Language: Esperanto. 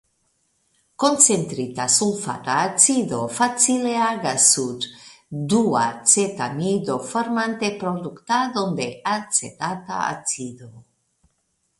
Koncentrita sulfata acido facile agas sur duacetamido formante produktadon de acetata acido.